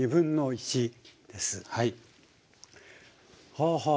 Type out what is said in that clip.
はあはあ。